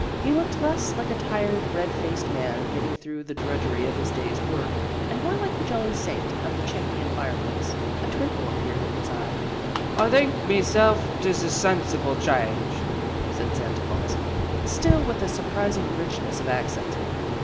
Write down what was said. He looked less like a tired, red faced man, getting through with the drudgery of his day's work, and more like the jolly saint of the chimney and fireplace. A twinkle appeared in his eye. " I think mesilf 'tis a sinsible change," said Santa Glaus, still with a surprising richness of accent.